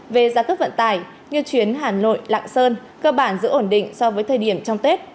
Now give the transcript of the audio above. về giá cước vận tải như chuyến hà nội lạng sơn cơ bản giữ ổn định so với thời điểm trong tết